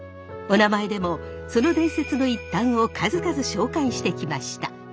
「おなまえ」でもその伝説の一端を数々紹介してきました。